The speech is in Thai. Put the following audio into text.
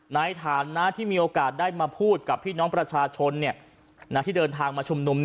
ในฐานะที่มีโอกาสได้มาพูดกับพี่น้องประชาชนที่เดินทางมาชุมนุม